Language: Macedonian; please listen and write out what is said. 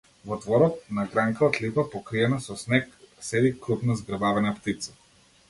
Во дворот, на гранка од липа, покриена со снег, седи крупна, згрбавена птица.